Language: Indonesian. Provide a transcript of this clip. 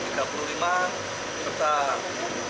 serta penumpang ada empat puluh tujuh orang